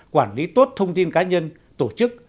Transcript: quản lý tốt thông tin cá nhân tổ chức